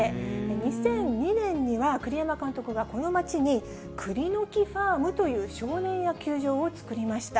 ２００２年には、栗山監督がこの町に栗の樹ファームという少年野球場を造りました。